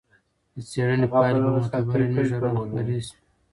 د څېړنې پایلې په معتبر علمي ژورنال خپرې شوې.